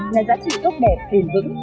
là giá trị tốt đẹp tồn vững